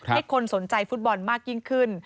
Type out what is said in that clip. ให้คนสนใจฟุตบอลมากยิ่งขึ้น